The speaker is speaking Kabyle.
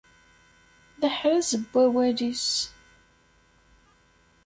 D aḥraz n wawal-is.